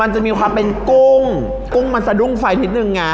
อร่อยเชียบแน่นอนครับอร่อยเชียบแน่นอนครับ